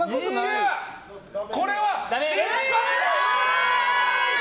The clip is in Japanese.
これは失敗！